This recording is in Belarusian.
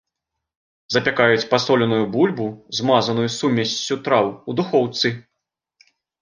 Запякаюць пасоленую бульбу, змазаную сумессю траў, у духоўцы.